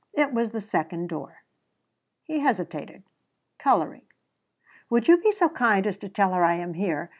It was the second door. He hesitated, coloring. "Would you be so kind as to tell her I am here?